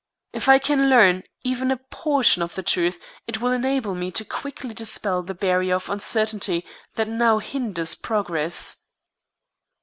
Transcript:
If I can learn even a portion of the truth it will enable me to quickly dispel the barrier of uncertainty that now hinders progress."